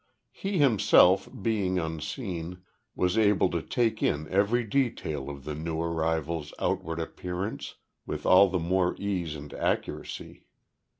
He himself, being unseen, was able to take in every detail of the new arrival's outward appearance with all the more ease and accuracy.